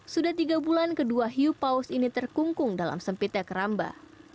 sudah tiga bulan kedua hiu paus ini terkungkung dalam sempitnya keramba